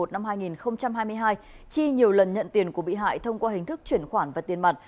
năm hai nghìn hai mươi hai chi nhiều lần nhận tiền của bị hại thông qua hình thức chuyển khoản và tiền mặt